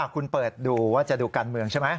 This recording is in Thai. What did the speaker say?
คุณเปิดดูว่าจะดูการเมืองใช่ไหม